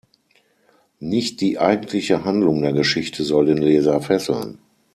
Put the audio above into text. Nicht die eigentliche Handlung der Geschichte soll den Leser fesseln.